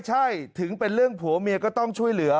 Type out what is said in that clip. ใช่ถึงเป็นเรื่องผัวเมียก็ต้องช่วยเหลือ